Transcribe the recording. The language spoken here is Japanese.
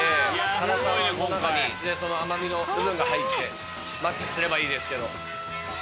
辛さの中にその甘みの部分が入ってマッチすればいいですけど。